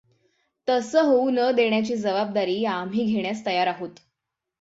तसं होऊ न देण्याची जबाबदारी आम्ही घेण्यास तयार आहोत.